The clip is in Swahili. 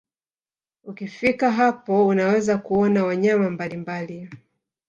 Ukifika hapo unaweza kuona wanyama mbalimbali